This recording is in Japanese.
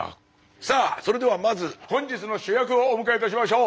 さあそれではまず本日の主役をお迎えいたしましょう。